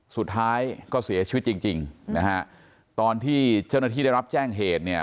สุดท้ายก็เสียชีวิตจริงจริงนะฮะตอนที่เจ้าหน้าที่ได้รับแจ้งเหตุเนี่ย